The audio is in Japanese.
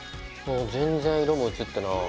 全然色も移ってない。